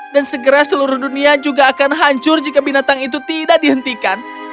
dan segera seluruh dunia juga akan hancur jika binatang itu tidak dihentikan